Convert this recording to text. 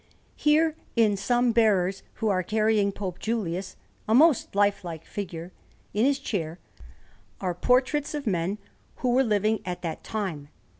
Here, in some bearers who are carrying Pope Julius, a most lifelike figure, in his chair, are portraits of men who were living at that time.